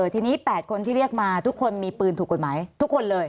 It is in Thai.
ทีนี้๘คนที่เรียกมาทุกคนมีปืนถูกกฎหมายทุกคนเลย